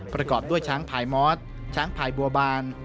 ประกอบด้วยช้างพายมอสช้างพายบัวบาน